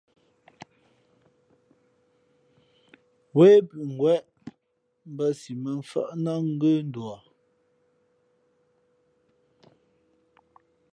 Wē pʉ̌ ngwěʼ mbᾱ siʼ mα mfάʼ nά ngə̂nduα.